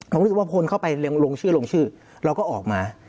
บอกว่าคนเข้าไปลงชื่อเราก็ออกมา